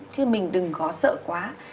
chứ mình đừng có sợ quá